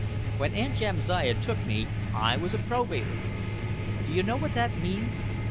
"When Aunt Jamsiah took me, I was a probator. Do you know what that means?"